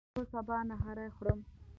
زه سبا نهاری خورم